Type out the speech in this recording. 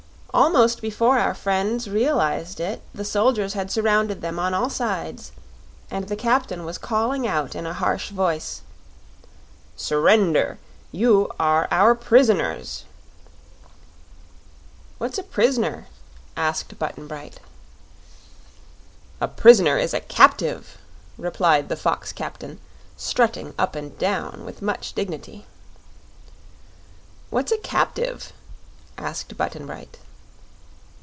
Almost before our friends realized it the soldiers had surrounded them on all sides, and the captain was calling out in a harsh voice: "Surrender! You are our prisoners." "What's a pris'ner?" asked Button Bright. "A prisoner is a captive," replied the fox captain, strutting up and down with much dignity. "What's a captive?" asked Button Bright.